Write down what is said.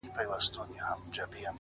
هره ورځ نوی امکان لري